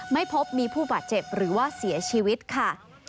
ไม่พบมีผู้บาดเจ็บหรือว่าเสียชีวิตค่ะ